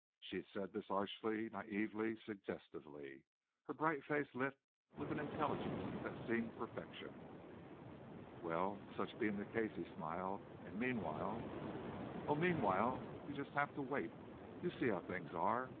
She said this archly, naïvely, suggestively, her bright face lit with an intelligence that seemed perfection. "Well such being the case!" he smiled, "and meanwhile " "Oh, meanwhile you just have to wait. You see how things are."